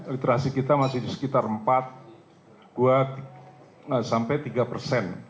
literasi kita masih di sekitar empat sampai tiga persen